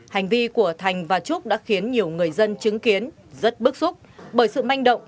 hành vi của thành và trúc đã khiến nhiều người dân chứng kiến rất bức xúc bởi sự manh động